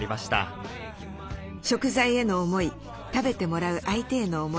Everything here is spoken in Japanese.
食材への思い食べてもらう相手への思い